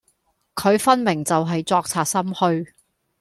佢分明就係作賊心虛